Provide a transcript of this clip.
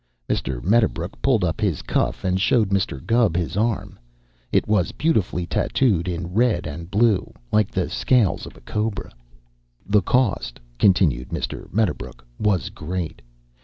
Mr. Medderbrook pulled up his cuff and showed Mr. Gubb his arm. It was beautifully tattooed in red and blue, like the scales of a cobra. "The cost," continued Mr. Medderbrook, "was great.